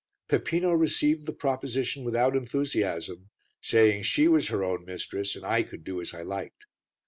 Peppino received the proposition without enthusiasm, saying she was her own mistress and I could do as I liked.